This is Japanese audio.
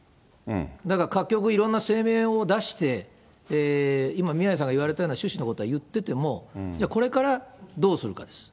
だから各局、いろんな声明を出して、今、宮根さんが言われたような趣旨のことは言ってても、じゃあ、これからどうするかです。